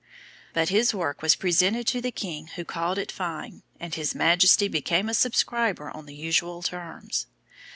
But his work was presented to the King who called it fine, and His Majesty became a subscriber on the usual terms.